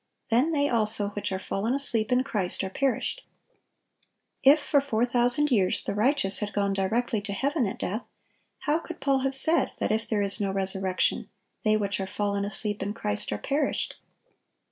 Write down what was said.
Then they also which are fallen asleep in Christ are perished."(967) If for four thousand years the righteous had gone directly to heaven at death, how could Paul have said that if there is no resurrection, "they which are fallen asleep in Christ are perished"?